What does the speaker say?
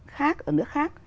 khác ở nước khác